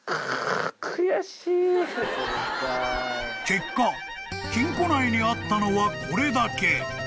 ［結果金庫内にあったのはこれだけ］